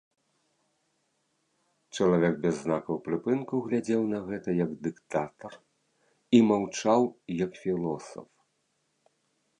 Чалавек без знакаў прыпынку глядзеў на гэта, як дыктатар, і маўчаў, як філосаф.